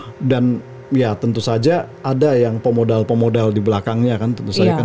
kalau tambang itu pada dasarnya ya itu pasti ada dan ya tentu saja ada yang pemodal pemodal di belakangnya kan tentu saja kan